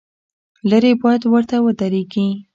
لرې باید ورته ودرېږې.